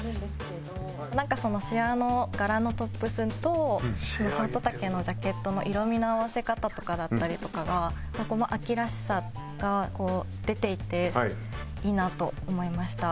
なんかそのシアーの柄のトップスとショート丈のジャケットの色味の合わせ方とかだったりとかがそこも秋らしさがこう出ていていいなと思いました。